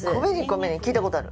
「＊２＊２」聞いたことある。